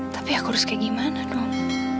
tapi aku harus kayak gimana dong